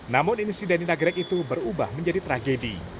namun insideni nagrek itu berubah menjadi tragedi